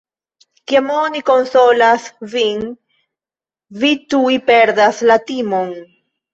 Kiam oni konsolas vin, vi tuj perdas la timon.